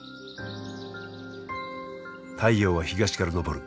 太陽は東から昇る。